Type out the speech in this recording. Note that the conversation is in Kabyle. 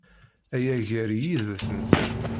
Aya gar-i yid-s nettat.